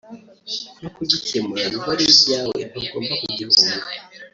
no kugikemura biba ari ibyawe ntugomba kugihunga